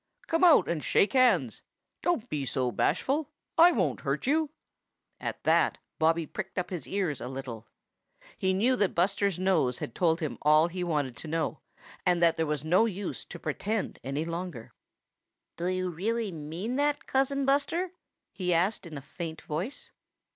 Come out and shake hands. Don't be so bashful. I won't hurt you." At that Bobby pricked up his ears a little. He knew that Buster's nose had told him all he wanted to know, and that there was no use to pretend any longer. "Do you really mean that, Cousin Buster?" he asked in a faint voice.